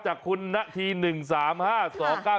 จากคุณนที๑๓๕๒๙๐นะครับ